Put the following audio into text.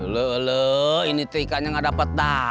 lu lu ini trikanya nggak dapat